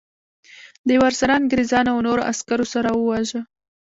د ورسره انګریزانو او نورو عسکرو سره وواژه.